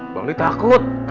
bang dik takut